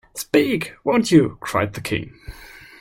‘Speak, won’t you!’ cried the King.